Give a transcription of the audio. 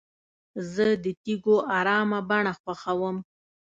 زه د تیږو ارامه بڼه خوښوم.